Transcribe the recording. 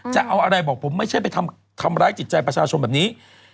จะเอาอะไรบอกผมไม่ใช่ไปทำร้ายจิตใจประชาชนแบบนี้